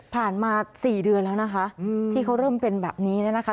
มา๔เดือนแล้วนะคะที่เขาเริ่มเป็นแบบนี้เนี่ยนะคะ